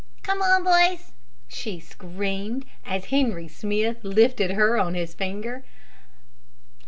"Come on, boys," she screamed, as Henry Smith lifted her on his finger.